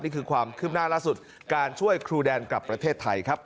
นี่คือความคืบหน้าล่าสุดการช่วยครูแดนกลับประเทศไทยครับ